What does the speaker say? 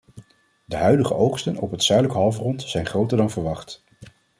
De huidige oogsten op het zuidelijk halfrond zijn groter dan verwacht.